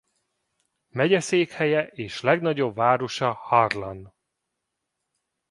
Megyeszékhelye és legnagyobb városa Harlan.